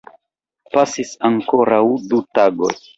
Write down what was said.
Pasis ankoraŭ du tagoj.